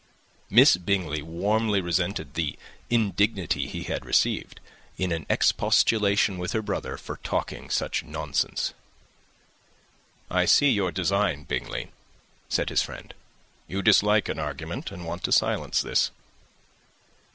Miss Bingley warmly resented the indignity he had received, in an expostulation with her brother for talking such nonsense. "I see your design, Bingley," said his friend. "You dislike an argument, and want to silence this."